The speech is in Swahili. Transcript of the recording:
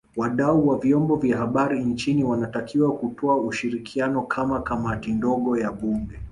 Wadau wa Vyombo vya Habari nchini wanatakiwa kutoa ushirikiano kwa Kamati ndogo ya Bunge